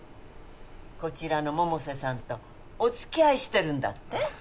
こちらの百瀬さんとおつきあいしてるんだって？